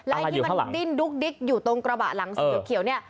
อะไรอยู่ข้างหลังอะไรที่มันดินดุกดิกอยู่ตรงกระบะหลังสีเขียว